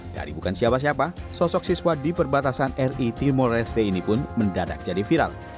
dari bukan siapa siapa sosok siswa di perbatasan ri timur leste ini pun mendadak jadi viral